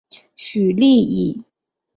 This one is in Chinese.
许力以。